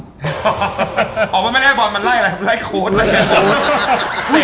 อ๋อเรียกมันไม่ได้ไล่บอร์นมันไล่อะไร